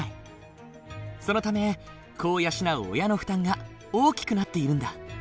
そのため子を養う親の負担が大きくなっているんだ。